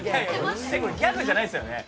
ギャグじゃないですよね？